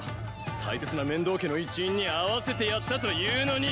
大切な面堂家の一員に会わせてやったというのに。